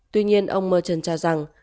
tuy nhiên ông merchant cho rằng